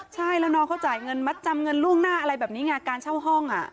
ใช่แล้วน้องเขาจ่ายเงินมัดจำเงินล่วงหน้าอะไรแบบนี้ไงการเช่าห้อง